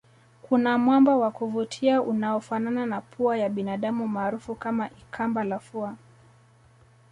Kuna mwamba wa kuvutia unaofanana na pua ya binadamu maarufu kama ikamba la fua